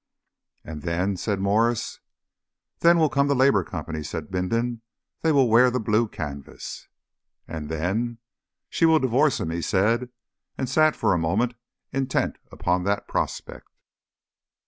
"And then?" said Mwres. "They will come to the Labour Company," said Bindon. "They will wear the blue canvas." "And then?" "She will divorce him," he said, and sat for a moment intent upon that prospect.